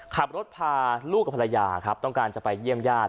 ขับรถพาลูกกับภรรยาครับต้องการจะไปเยี่ยมญาติ